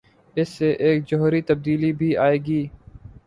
اس سے ایک جوہری تبدیلی بھی آئے گی۔